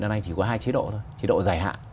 hiện nay chỉ có hai chế độ thôi chế độ dài hạn